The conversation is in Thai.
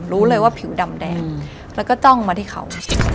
รู้เลยว่าผิวดำแดงแล้วก็จ้องมาที่เขา